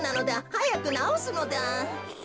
はやくなおすのだ。